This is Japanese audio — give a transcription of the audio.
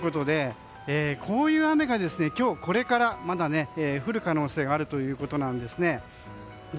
こういう雨が今日これからまだ降る可能性があるということです。